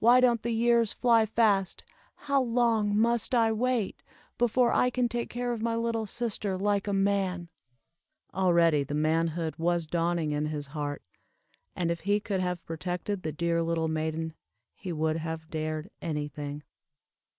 "Why don't the years fly fast? How long must I wait, before I can take care of my little sister like a man?" Already the manhood was dawning in his heart; and if he could have protected the dear little maiden, he would have dared any thing.